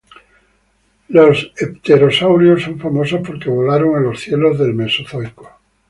Los pterosaurios son famosos porque volaron en los cielos del Mesozoico.